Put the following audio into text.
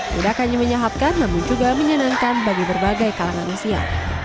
tidak hanya menyehatkan namun juga menyenangkan bagi berbagai kalangan usia